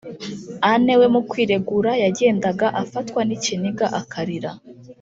Anne we mu kwiregura yagendaga afatwa n’ikiniga akarira